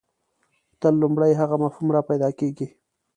تل لومړی هغه مفهوم راپیدا کېږي.